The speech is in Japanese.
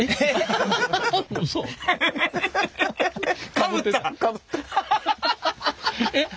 かぶった？